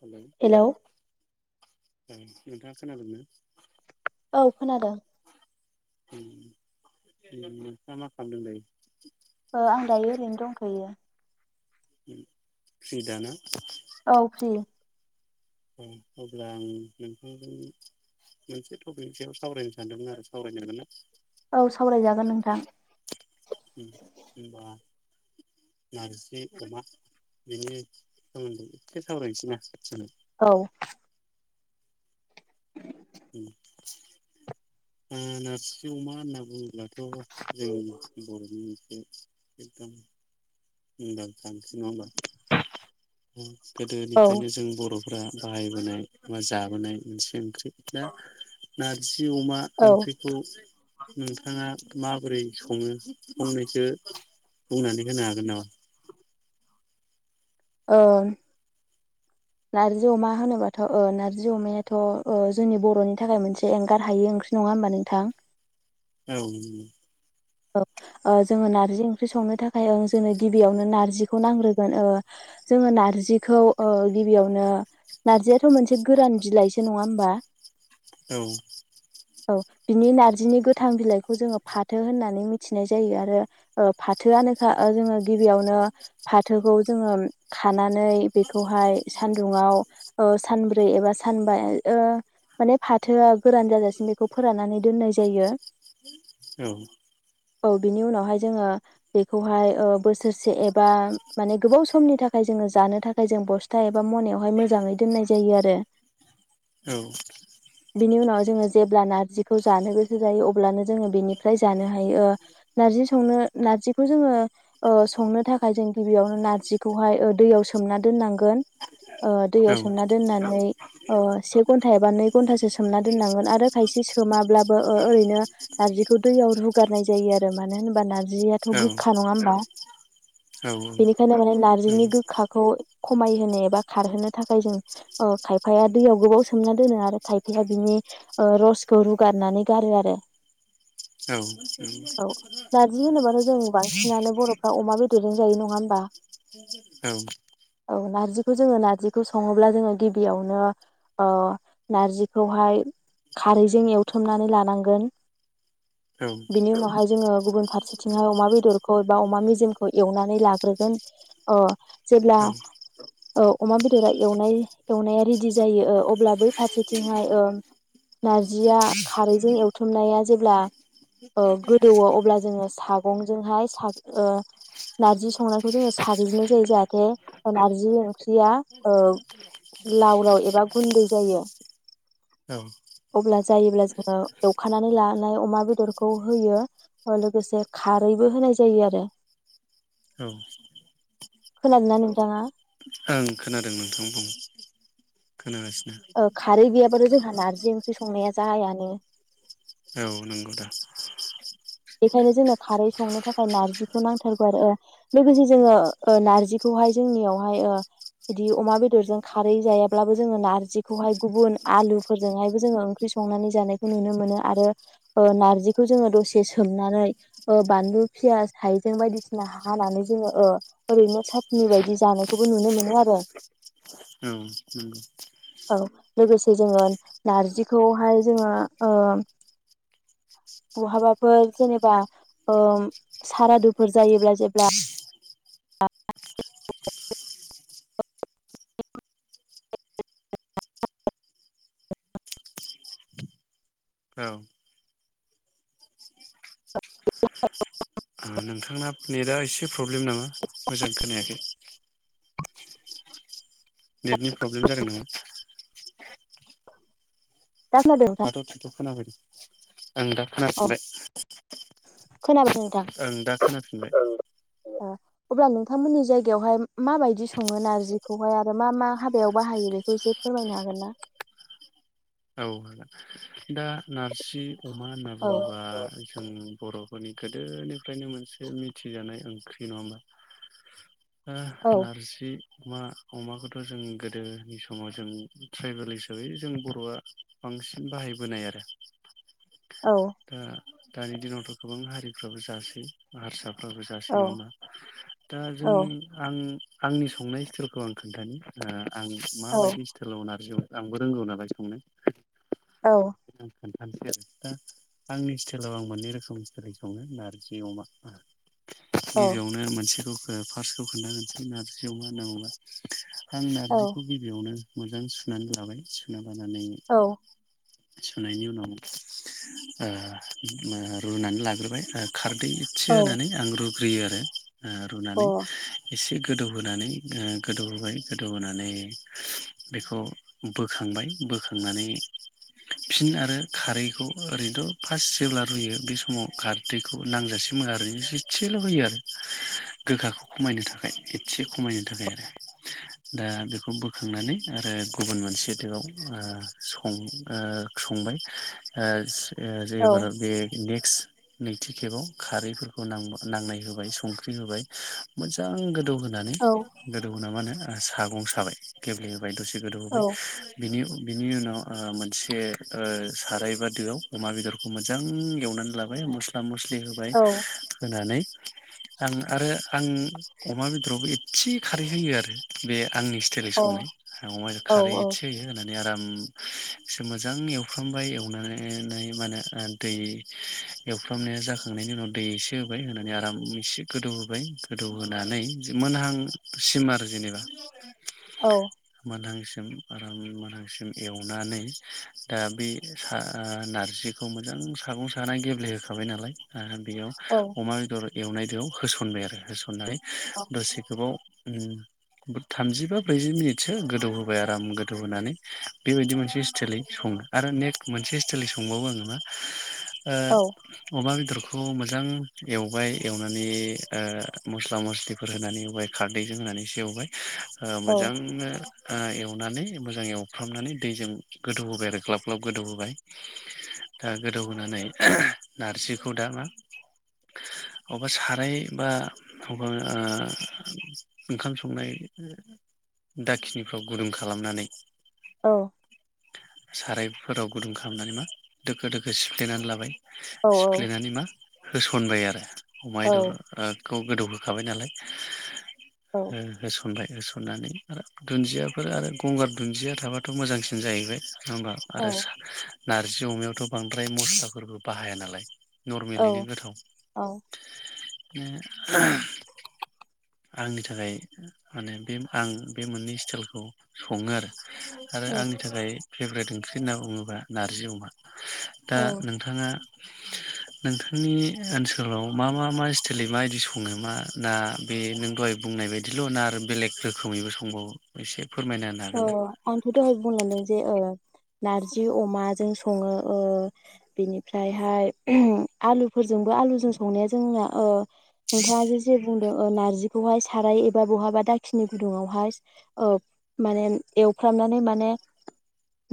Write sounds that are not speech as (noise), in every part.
Hello औ नोंथाङा खोनादों ना? औ खोनादों नोंथाङा मा खालामदों दायो? आं दायो ओरैनो दंथयो। फ्रि दा ना? औ फ्रि अब्ला आं नोंथांजों मोनसे टपिकनि सायाव सावरायनो सानदोंमोन आरो सावराय जागोन ना? औ सावरायजागोन नोंथां। होनबा नारजि अमा बेनि सोमोन्दै एसे सावरायनोसै ना (unintelligible) औ उम ओ नारजि अमा होनना बुङो दाथ' जोंनि बरनि मोनसे एकदम मुंदांखा ओंख्रि नङा होनबा? औ गोदोनिफ्रायनो जों बर (unintelligible) बाहायबोनाय बा जाबोनाय मोनसे ओंख्रि दा ना जि अमा औ ओंख्रिखौ नोंथाङा माबोरै सङो फंनैसो बुंनानै होनो हागोन नामा। (unintelligible) औ नारजि अमा होनोबाथ ओ नारजि अमायाथ जोंनि बरनि थाखाय मोनसे एंगार हायि ओंख्रि नङा होमबा नोंथां औ औ जोङो नारजि ओंख्रि संनो थाखाय ओं जोंनो गिबियावनो नारजिखौ नांग्रोगोन ओ‌ जोङो नारजिखौ गिबियावनो नारजियाथ मोनसे गोरान बिलाइसो नङा होमबा औ औ बिनि नारजिनि गोथां बिलाइखौ जोङो फाथो होननानै मोनथिनाय जायो आरो ओ फाथोआनोखा जोंङो गिबियावनो जोङो फाथोखौ ओङो खानानै नानै बेखौहाय सान्दुंङाव ओ सानब्रै एबा सानबा ओ माने फाथोआ गोरान जाजासिम बेखौ फोराननानै दोननाय जायो औ औ बिनि उनावहाय जोङो बेखौहाय बोसोरसे एबा माने गोबाव समनि थाखाय जोङो जानो थाखाय जों बस्था एबा मनायावहाय मोजाङै दोननाय जायो आरो औ बिनि उनाव जोङो जेब्ला नारजिखौ जानो गोसो जायो अब्लानो जोङो बेनिफ्राय जानो हायो नारजि ओ संनो नारजिखौ जोङो संनो थाखाय जों गिबियावनो नारजि खौहाय दैयाव सोमना दोननांगोन ओ औ दैयाव सोमना दोननानै से घट थायबा नै घनतासो सोमना दोननांगोन आरो खायसे सोमाब्लाबो ओरैनो नारजिखौ दैआव रु गारनाय जायो आरो मानो होनबा ना जियाथ औ गोखा नङा होमबा बेनिखायनो माने नारजिनि गोखाखौ खमायहोनो एबा खारहोनो थाखाय जों ओ खायफाया दैयाव गोबाव सोमना दोनो आरो खायफाया बिनि ओ रसखौ रुगारनानै गारो आरो औ उम औ नारजि दजों जायो नङा होमबा औ औ नारजिखौ जोङो नारजिखौ सङोब्ला जोङो गिबियावनो ओ नारजिखौहाय खारैजों एवथुमनानै लानांगोन बिनि उनावहाय जोङो गुबुन फारसेथिंहाय अमा बेदरखौ बा अमा मेजिमखौ एवनानै लाग्रोगोन ओ जेब्ला ओ अमा बेदरा एवनाय एवनाया रेडि जायो ओ अब्ला बै फारसेथिंहाय ओम नारजिया खारैजों एवथुमनाया जेब्ला ओ गोदौवो अब्ला जोङो सागंजोंहाय सा ओ नारजि संनायखौ जोङो साग्लिनाय जायो जाहाथे नारजि ओंख्रिया ओ लाव लाव एबा गुन्दै जायो औ अब्ला जायोब्ला जोङो एवखानानै लानाय अमा बे बेदरखौ होयो ओ लोगोसे खारैबो होनाय जायो आरो औ औ खोनादों ना नोंथाङा ओं खोनादों नोंथां बुं (unintelligible) औ खारै गैयाबाथ जोंहा नारजि जि ओंख्रि संनाया जायानो औ नंगौ दा बेखायनो जोङो खारै संनो थाखाय नारजिखौ नांथारगौ आरो ओ लोगोसे जोङो ओ नार्जिखौहाय जोंनियावहाय ओ बिदि अमा बेदरजों खारै जायाब्लाबो जोङो नार्जिखौहाय गुबुन आलुफोरजोंहायबो जोङो ओंख्रि संनानै जानायखौ नुनो मोनो आरो ओ नार्जिखौ जोङो दसे सोमनानै ओ बानलु फियास हायजें बायदिसिना हानानै जोङो ओ ओरैनो साथनि बायदि जानायखौबो नुनो मोनो आरो औ नंगौ औ लोगोसे जोङो नारजिखौहाय जोंङो ओ बहाबा फोर जेनेबा ओ सारादुफोर जायोब्ला जेब्ला औ। औ (unintelligible) नोंथांना नेटआ एसे प्रब्लेम नामा मोजां खोनायाखै। नेटनि प्रब्लेम जादों नामा। दा खोनादों नोंथां थाथ थुथ खोनाफैदों। ओं दा औ खोनाफिनबाय। (inaudible) ओं दा खोनाफिनबाय अ अब्ला नोंथांमोननि जायगायावहाय माबायदि सङो नारजिखौहाय आरो मा मा हाबायाव बाहायो बेखौ एसे फोरमायनो हागोन ना? औ दा ना जि अमा होन्ना औ बुङोबा जों बर' नि गोदोनिफ्रायनो मोनसे मिथिजानाय ओंख्रि नङा होमा। ओ औ नारजि अमा अमाखौथ जों गोदोनि समाव जों ट्राइबेल हिसाबै जों बर'आ बांसिन बाहाय बोनाय आरो। औ। दा दानि दिनावथ गोबां हारिफ्राबो जासै हारसा फोरायो औ जासै नङा होमबा दा औ जोंनि आं आंनि संनाय स्टाइलखौ आं खोन्थानि ओ आं औ माबायदि स्टाइलाव नारजि आंबो रोंगौ नालाय संनो। औ। (unintelligible) आंनि स्टाइलाव आं मोननै रोखोमनि सङो नारजि अमाखौ गिबियावनो मोनसेखौ फार्स्टखौ खोन्थाग्रोनोसै नारजि अमा होनना बुंङोब्ला आं औ नारजिखौ गिबियावनो मोजां सुनानै लाबाय सुनानै लानानै औ सुनायनि उनाव ओ बिदिनो रुनानै लाग्रोबाय ओ खार दै एसे अ होनानै आं रु ग्रोयो आरो। ओ औ रुनानै एसे गोदौहानै गोदौ होबाय गोदौहोनानै बेखौ बोखांबाय बोखांनानै फिन आरो खारैखौ ओरैनोथ फार्स्ट जेब्ला रुयो बे समाव खारदैखौ नांजासे नङा ओरैनो एसेल होयो। आरो गोखाखौ खमायनो थाखाय एसे खमायनो थाखाय आरो दा बेखौ बोखांनानै आरो गुबुन मोनसे दोआव ओ सं ओ संबाय। ओ जे एबाराव बे नेक्सट नैथि खेबाव खारैफोरखौ नां-नांनाय होबाय संख्रि होबाय मोजां गोदौ। होनानै औ गोदौवो ना मा होनो। सागं साबाय गेब्ले। होबाय दसे गोदौ अ होबाय औ बिनि। बिनि उनाव ओ मोन से साराय बा दोआव अमा बेदरखौ मोजां एवनानै लाबाय मसला मसलि। दै होबाय औ होनानै। आं आरो। आं अमा बेदरावबो एसे खारै होयो आरो बे। आंनि स्टाइलै संनाय आं अमाजों औ खारै एसे होयो होननानै। आराम। एसे मोजां एवफ्रामबाय एवनानै मा होनो दै एवफ्रामनाया जाखांनायनि उनाव दै एसे होबाय होनानै आराम एसे गोदौ होबाय गोदौ होनानै मोनहांसिम आरो जेनेबा। मोनहांसिम। आराम मोनांसिम एवनानै। दा बे नारजिखौ मोजां सागं सानानै गेब्लेहोखाबाय नालाय। बेयाव अमा बेदर। एवनाय दैआव होसनबाय आरो होसननानै। दसे गोबाव। थामजि बा ब्रैजि मिनिटसो गोदौ होबाय आराम गोदौ होनानै बेबायदि मोनसे। स्टेलियै सङो आरो नेक्स्ट मोनसे स्टेलि संबावो आङो मा। अमा बेदर। बे खौ मोजां एवबाय एवनानै मस्ला मस्लिफोर होनानै एवबाय खारदैजों होनानै एसे एवबाय। ओ मोजांनो। एवनानै मोजां एवफ्रामनानै दैजों। गोदौ होबाय आरो ग्लाब ग्लाब गोदौ होबाय दा गोदौहोनानै नारजिखौ दा मा अबेबा साराय बा अबेबा ओंखाम संनाय दाखिनिफ्राव गुदुं खालामनानै। औ। सारायफोराव गुदुं खालामनानै मा दोखो दोखो सिफ्लेनानै लाबाय। सिफ्लेनानै मा। होसनबाय आरो। माइ दर ओ। खौ गोदौहोखाबाय नालाय। ओ होस। ओमफाय होसनबाय होसननानै आरो दुन्दियाफोर आरो गंगार दुन्दिया थाबाथ मोजांसिन जायो। (inaudible) होमबा आरो सा नार्जि अमायावथ बांद्राय मस्लाफोरबो बाहाया नालाय औ नर्मेलैनो गोथाव ओ आंनि थाखाय माने बे आं बे मोननै स्टाइलखौ सङो आरो आरो औ आंनि थाखाय फेभ्रेट ओंख्रि होनना बुङोब्ला नारजि अमा। दा औ नोंथाङा नोंथांनि ओनसोलाव मा मा मा स्टाइल माबायदि सङो मा ना बे नों दहाय बुंनाय बायदिल ना आरो बेलेग रोखोमैबो संबावो एसे फोरमायना होनो ओ हागोन ना आंथ दहाय बुंलांदों जे ओ नारजि अमाजों सङो ओ बिनिफ्रायहाय आलुफोरजोंबो आलुजों संनाया जोंना ओ नोंथाङा जे जे बुं नारजिखौहाय साराय एबा बहाबा दाखिनि गुदुंआवहाय ओ माने एवफ्रामनानै माने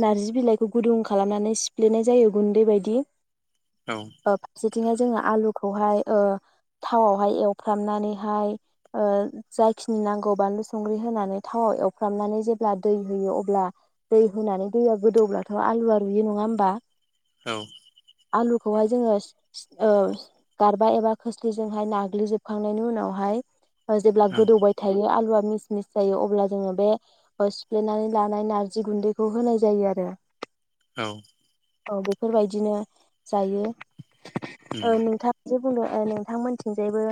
नारजि बिलाइखौ गुदुं खालामनानै सिफ्लेनाय जायो गुन्दै बायदि औ ओ फारसेथिंहाय जोङो आलुख खौहाय ओ थावावहाय एवफ्रामनानैहाय ओ जायखिनि नांगौ बानलु संग्रि होनानै थावाव एव फ्रामनानै जेब्ला दै होयो अब्ला दै होनानै दैया गोदौब्लाथ आलुआ रुयो नङा होमबा औ खौहाय जोङो ओ गारबा एबा खोस्लिजोंहाय नाग्लिजोबखांनायनि उनावहाय जेब्ला ओं गोदौबाय थायो आलुवा मिस मिस जायो अब्ला जोङो बे ओ सिफ्लेनानै लानाय नार्जि गुन्दैखौ होनाय जायो आरो औ औ बेफोरबायदिनो जायो। उम औ नोंथा जे बुंदों ओ नोंथांमोनथिंजायबो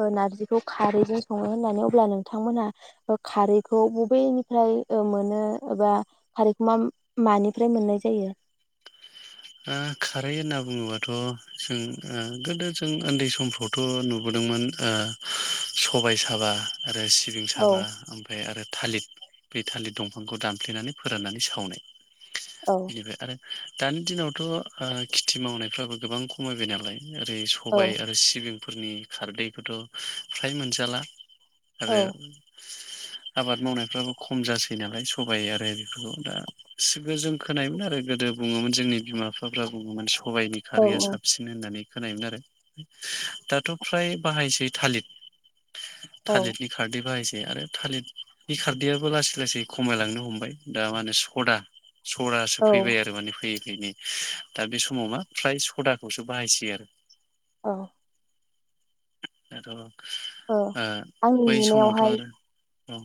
ओ नारजिखौ खारैजों सङो होननानै अब्ला नोंथांमोनहा ओ खारै खौ बबेनिफ्राय ओ मोनो एबा खारैखौ मा मानिफ्राय मोननाय जायो? ओ खारै होनना बुङोबाथ जों ओ गोदो जों ओन्दै समफ्रावथ नुबोदोंमोन ओ सबाय साबा आरो सिबिं औ साबा ओमफ्राय आरो थालिर बे थालिर दंफांखौ दानफ्लेनानै फोराननानै सावनाय औ बिनिफाय आरो दानि दिनाव थ ओ खेथि मावनायफ्राबो गोबां खमायबाय नालाय ओरै औ सबाय आरो सिबिं फोरनि खारदैखौथ फ्राय मोनजाला आरो आबाद मावनायफ्राबो खम जासै नालाय सबाइ आरो बेफोरखौ दा सिगां जों खोनायोमोन आरो गोदो बुङोमोन जोंनि बिमाफ बिफाफ्रा बुङोमोन स सबाइनि खारैया औ साबसिन होननानै खोनायोमोन आरो दाथ फ्राय बाहायसै थालिर औ थालिरनि खारदै बाहायसै आरो थालिरनि खारदैयाबो लासै लासै खमायलांनो हमबाय दा मा होनो सदा सदासो फैबाय औ आरो माने फैयो बेनि दा बे समाव मा फ्राय सदाखौसो बाहायसै आरो औ दाथ औ ओ आं बै समावथ' नुनायावहाय आरो औ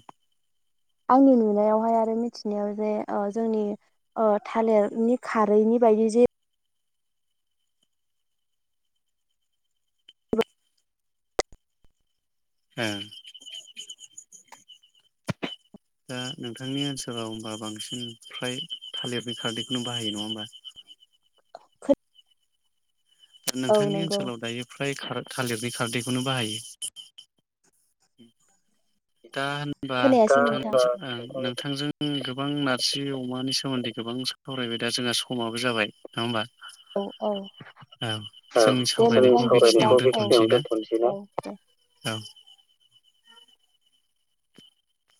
आंनि नुनायावहाय आरो मिथिनायाव जे ओ जोंनि थालिरनि खारैनि बायदि जे ओ दा नोंथांनि ओनसोलाव होमबा बांसिन फ्राय थालिरनि खारदैखौनो बाहायो नङा ओमबा? खोद नोंथांनि ओनसोलाव दायो फ्राय खार थालिरनि खारदैखौनो बाहायो। दा होनबा खोनायासै नोंथां नोंथांजो आं नोंथांजों गोब गोबां नारजि अमानि सोमोन्दै गोबां सावरायबाय दा जोंहा समाबो जाबाय नङा होमबा? औ औ जोंनि दे सावरायनायखौ बेखिनियावनो नोंथां दोनथ'नोसै ना बिदिब्ला औ औ दे।